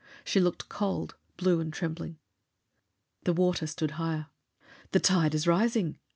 She looked cold, blue and trembling. The water stood higher. "The tide is rising!"